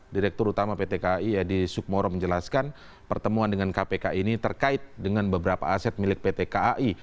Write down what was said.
direktur utama pt kai edi sukmoro menjelaskan pertemuan dengan kpk ini terkait dengan beberapa aset milik pt kai